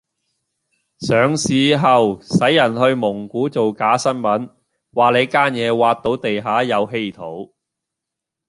上市後洗人去蒙古做假新聞，話你間野挖到地下有稀土